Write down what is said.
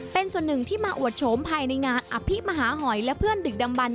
เป็นส่วนหนึ่งที่มาอวดโฉมภายในงานอภิมหาหอยและเพื่อนดึกดำบัน